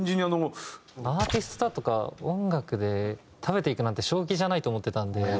アーティストだとか音楽で食べていくなんて正気じゃないと思ってたんで。